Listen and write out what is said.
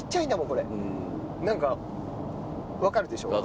これ何か分かるでしょう？